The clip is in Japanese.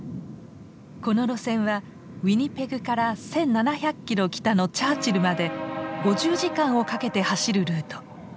この路線はウィニペグから１，７００キロ北のチャーチルまで５０時間をかけて走るルート。